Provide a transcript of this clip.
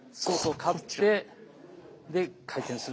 勝ってで回転する。